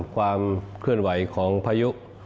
ความเคลื่อนไหวของพายุ